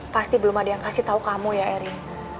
pasti belum ada yang kasih tau kamu ya erin